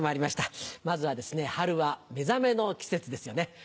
まずはですね「春は目覚めの季節」ですよね。